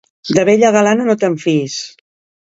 De vella galana, no te'n fiïs.